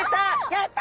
やった！